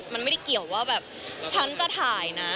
มันไม่ได้เกี่ยวว่าแบบฉันจะถ่ายนะ